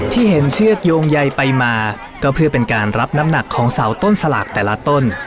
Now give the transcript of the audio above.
ที่เห็นเชือกโยงใยไปมาก็เพื่อเป็นการรับน้ำหนักของเสาต้นสลากแต่ละต้น